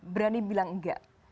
berani bilang enggak